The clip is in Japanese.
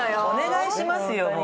お願いしますよ。